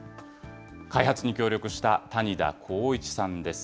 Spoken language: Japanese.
開発に協力した谷田光一さんです。